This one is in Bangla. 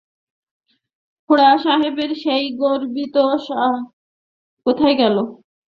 খুড়াসাহেবের সেই গর্বিত সহর্ষ ভাব কোথায় গেল!